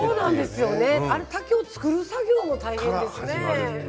竹を作る作業も大変ですよね。